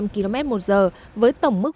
một trăm linh km một giờ với tổng mức